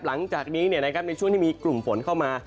หลังจากนี้ในช่วงที่มีกลุ่มฝนเข้ามา